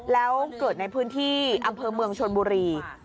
แล้วเกิดในพื้นที่อำเภอเมืองชนบุรี